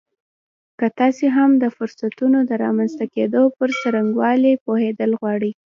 که تاسې هم د فرصتونو د رامنځته کېدو پر څرنګوالي پوهېدل غواړئ